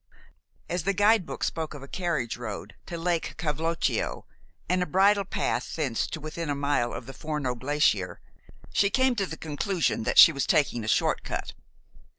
As the guidebook spoke of a carriage road to Lake Cavloccio, and a bridle path thence to within a mile of the Forno glacier, she came to the conclusion that she was taking a short cut.